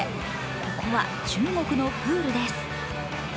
ここは中国のプールです。